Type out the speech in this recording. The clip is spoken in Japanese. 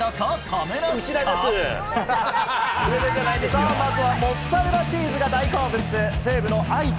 さあ、まずはモッツァレラチーズが大好物、西武の愛斗。